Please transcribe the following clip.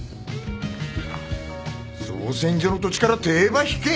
造船所の土地から手ば引けぇ！？